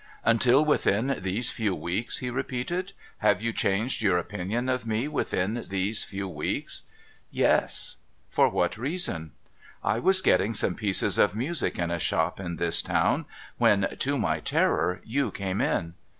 ' Until within these few weeks,' he repeated. ' Have you changed your opinion of me within these few weeks ?'' Yes.' ' For what reason ?'' I was getting some pieces of music in a shop in this town, when, to my terror, you came in.